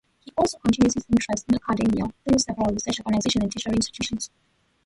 He also continued his interest in academia through several research organisations and tertiary institutions.